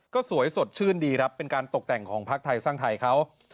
ก็สวยสดชื่นดีครับเป็นการตกแต่งของพักไทยสร้างไทยเขา